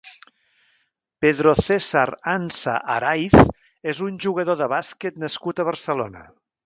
Pedro César Ansa Araiz és un jugador de bàsquet nascut a Barcelona.